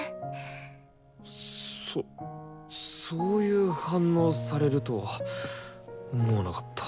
そっそういう反応されるとは思わなかった。